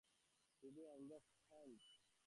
রলে, তোমাকে একবার যেতে হবে শশী।